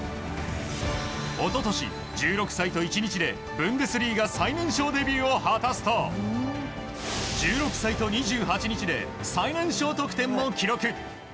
一昨年、１６歳と１日でブンデスリーガ最年少デビューを果たすと１６歳と２８日で最年少得点を記録。